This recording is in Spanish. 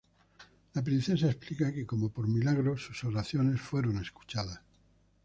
La princesa explica que, como por milagro, sus oraciones fueron escuchadas.